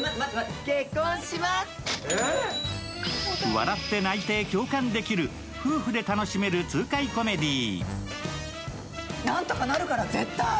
笑って泣いて共感できる夫婦で楽しめる痛快コメディー。